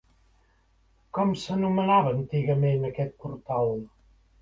Com s'anomenava antigament aquest portal?